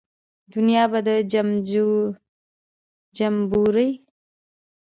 دنیا به د جمبوري د خولې ظرفیت ته په حیرت وکتل.